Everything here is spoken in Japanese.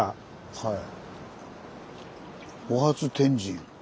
はい。